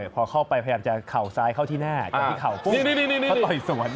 พอเข้าไปพยายามจะเข่าซ้ายเข้าที่หน้าจากที่เข่าปุ๊บเขาต่อยสวน